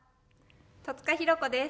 戸塚寛子です。